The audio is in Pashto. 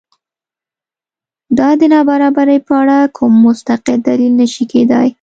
دا د نابرابرۍ په اړه کوم مستقل دلیل نه شي کېدای.